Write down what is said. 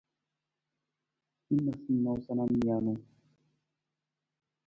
Hin noosanoosa nijanu.